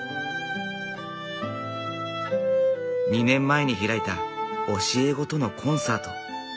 ２年前に開いた教え子とのコンサート。